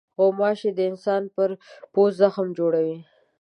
غوماشې د انسان پر پوست زخم جوړوي.